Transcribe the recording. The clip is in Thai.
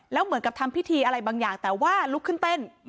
แล้วเหมือนกับทำพิธีอะไรบางอย่างแต่ว่าลุกขึ้นเต้น